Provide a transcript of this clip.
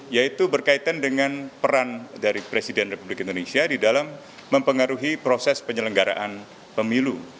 yaitu berkaitan dengan peran dari presiden republik indonesia di dalam mempengaruhi proses penyelenggaraan pemilu